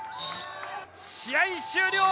試合終了。